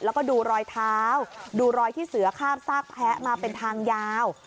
แล้วก็ดูรอยเท้าดูรอยที่เสือข้ามซากแพ้มาเป็นทางยาว